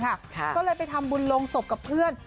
ไม่บุกไว้อะไรทั้งนั้นเออ